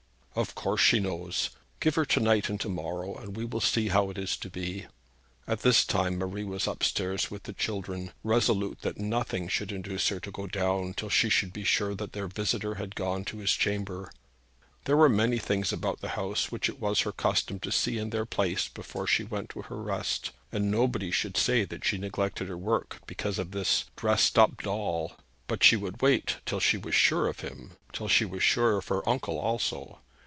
'Of course she knows. Give her to night and to morrow, and we will see how it is to be.' At this time Marie was up stairs with the children, resolute that nothing should induce her to go down till she should be sure that their visitor had gone to his chamber. There were many things about the house which it was her custom to see in their place before she went to her rest, and nobody should say that she neglected her work because of this dressed up doll; but she would wait till she was sure of him, till she was sure of her uncle also.